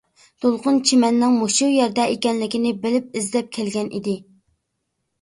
دولقۇن چىمەننىڭ مۇشۇ يەردە ئىكەنلىكىنى بىلىپ ئىزدەپ كەلگەن ئىدى.